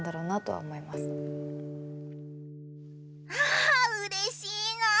あうれしいなあ！